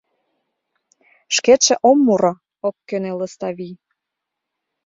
— Шкетше ом муро, — ок кӧнӧ Лыставий.